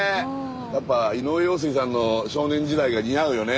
やっぱ井上陽水さんの「少年時代」が似合うよね。